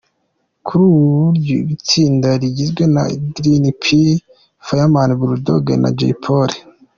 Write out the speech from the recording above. Kuri ubu iryo tsinda rigizwe na Green P, Fireman, Bull Dogg na Jay Polly.